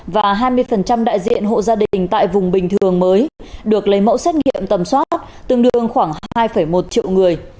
và hai mươi đại diện hộ gia đình tại vùng bình thường mới được lấy mẫu xét nghiệm tầm soát tương đương khoảng hai một triệu người